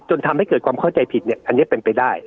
จนทำให้เกิดความเข้าใจผิดเนี่ยอันนี้เป็นไปได้